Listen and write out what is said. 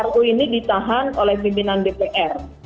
ruu ini ditahan oleh biminan dpr